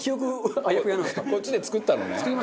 こっちで作ったのね？